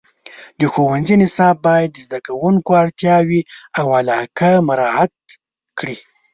د ښوونځي نصاب باید د زده کوونکو اړتیاوې او علاقه مراعات کړي.